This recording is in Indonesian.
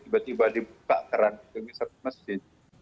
tiba tiba dibuka keran demi satu masjid